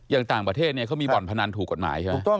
อย่างต่างประเทศเนี่ยเขามีบ่อนพนันถูกกฎหมายใช่ไหม